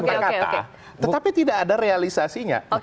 bukan kata tetapi tidak ada realisasinya